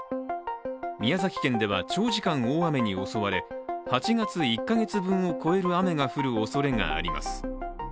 宮崎県では長時間大雨に襲われ、８月１か月分を超える雨が降るおそれがあります。